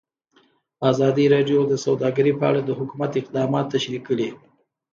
ازادي راډیو د سوداګري په اړه د حکومت اقدامات تشریح کړي.